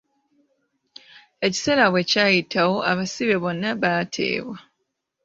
Ekiseera bwe kyayitawo, abasibe bonna baateebwa.